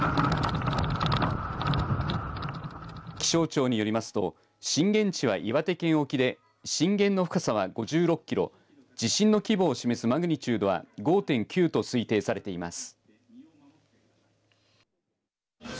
気象庁によりますと震源地は岩手県沖で震源の深さは５６キロ地震の規模を示すマグニチュードは５．９と推定されています。